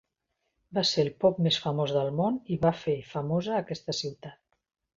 Va ser el pop més famós del món i va fer famosa aquesta ciutat.